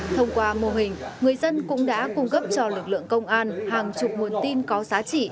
thông qua mô hình người dân cũng đã cung cấp cho lực lượng công an hàng chục nguồn tin có giá trị